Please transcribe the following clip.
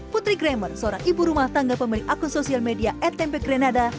putri gramer seorang ibu rumah tangga pemilik akun sosial media at tempe grenada